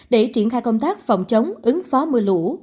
để triển khai công tác phòng chống ứng phó mưa lũ